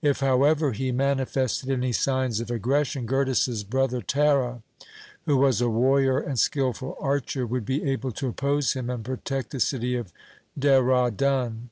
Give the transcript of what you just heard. If, however, he mani fested any signs of aggression, Gurdas's brother Tara, who was a warrior and skilful archer, would be able to oppose him and protect the city of Dehra Dun.